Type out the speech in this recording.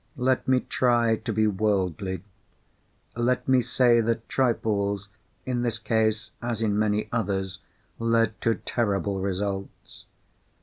Let me try to be worldly—let me say that trifles, in this case as in many others, led to terrible results.